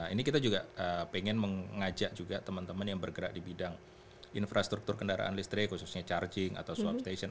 ini kita juga pengen mengajak juga teman teman yang bergerak di bidang infrastruktur kendaraan listrik khususnya charging atau swab station